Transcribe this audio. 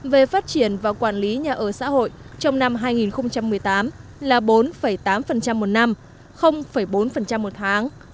về phát triển và quản lý nhà ở xã hội trong năm hai nghìn một mươi tám là bốn tám một năm bốn một tháng